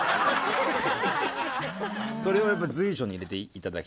それをやっぱり随所に入れて頂きたいです。